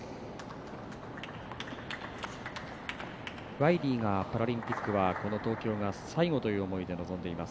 ワイリーがパラリンピックはこの東京は最後という思いで臨んでいます。